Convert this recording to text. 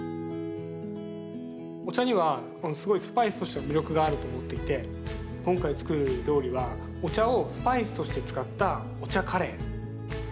お茶にはすごいスパイスとしての魅力があると思っていて今回作る料理はお茶をスパイスとして使ったお茶カレー。